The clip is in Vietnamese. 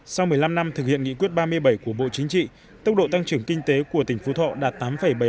sau một mươi năm năm thực hiện nghị quyết ba mươi bảy của bộ chính trị tốc độ tăng trưởng kinh tế của tỉnh phú thọ đạt tám bảy mươi chín